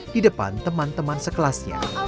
di depan teman teman sekelasnya